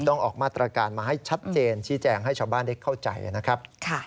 ออกมาตรการมาให้ชัดเจนชี้แจงให้ชาวบ้านได้เข้าใจนะครับ